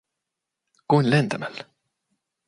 Kuin lentämällä.